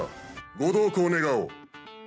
ご同行願おう。